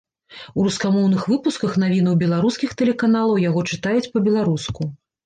У рускамоўных выпусках навінаў беларускіх тэлеканалаў яго чытаюць па-беларуску.